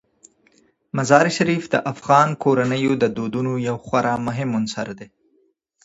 مزارشریف د افغان کورنیو د دودونو یو خورا مهم عنصر دی.